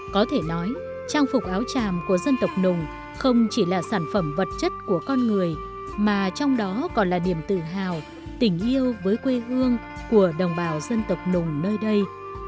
có thể nói trang phục áo tràm của dân tộc nùng không chỉ là sản phẩm vật chất của con người mà trong đó còn là niềm tự hào tình yêu với quê hương của đồng bào dân tộc nùng nơi đây